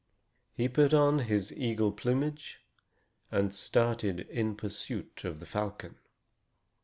He put on his eagle plumage and started in pursuit of the falcon.